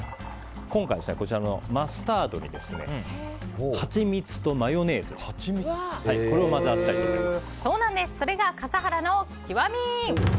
今回、こちらのマスタードにハチミツとマヨネーズそれが笠原の極み。